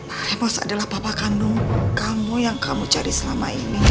pak lemus adalah papa kandung kamu yang kamu cari selama ini